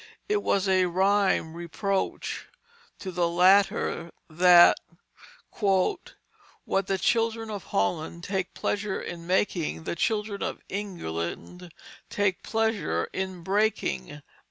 It was a rhymed reproach to the latter that "What the children of Holland take pleasure in making, The children of England take pleasure in breaking."